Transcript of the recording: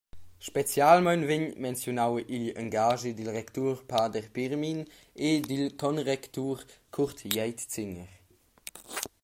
Specialmein vegn menziunau igl engaschi dil rectur pader Pirmin e dil concrectur Kurt Jeitziner.